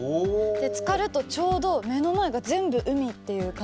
つかるとちょうど目の前が全部海っていう感じになって。